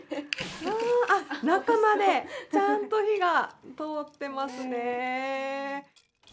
ああっ中までちゃんと火が通ってますね。